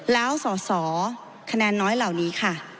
แล้วสอสอคะแนนน้อยเหล่านี้ค่ะ